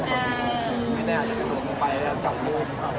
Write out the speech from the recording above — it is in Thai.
อยากให้ว้าชัดอยู่ในคอนเซิร์ท